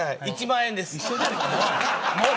１万円です。